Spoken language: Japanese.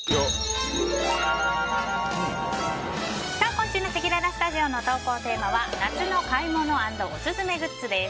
今週のせきららスタジオの投稿テーマは夏の買い物＆オススメグッズです。